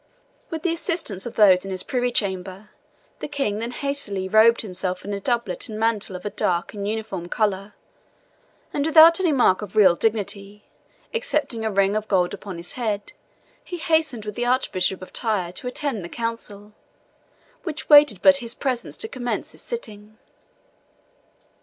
With the assistance of those of his privy chamber, the King then hastily robed himself in a doublet and mantle of a dark and uniform colour; and without any mark of regal dignity, excepting a ring of gold upon his head, he hastened with the Archbishop of Tyre to attend the Council, which waited but his presence to commence its sitting.